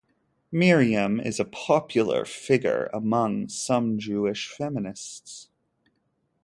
Miriam is a popular figure among some Jewish feminists.